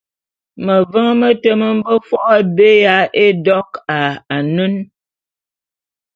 Meveň mete me mbe fo’o abé ya édok a anen.